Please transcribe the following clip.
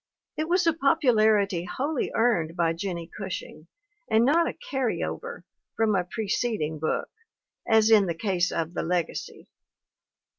It was a popularity wholly earned by Jennie Gushing and not a "carry over" from a preceding book, as in the case of The Legacy.